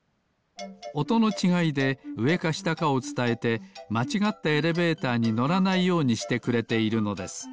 おとのちがいでうえかしたかをつたえてまちがったエレベーターにのらないようにしてくれているのです。